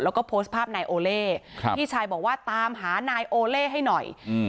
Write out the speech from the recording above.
แล้วก็โพสต์ภาพนายโอเล่ครับพี่ชายบอกว่าตามหานายโอเล่ให้หน่อยอืม